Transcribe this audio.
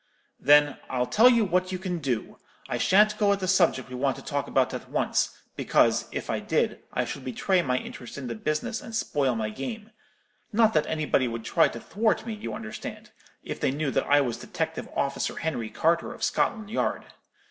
"'Then, I'll tell you what you can do. I shan't go at the subject we want to talk about at once; because, if I did, I should betray my interest in the business and spoil my game; not that anybody would try to thwart me, you understand, if they knew that I was detective officer Henry Carter, of Scotland Yard.